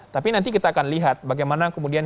tapi nanti kita akan lihat bagaimana itu akan berjalan